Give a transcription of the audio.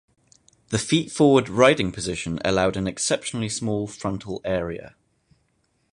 The feet forward riding position allowed an exceptionally small frontal area.